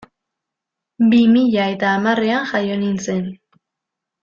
Bi mila eta hamarrean jaio nintzen.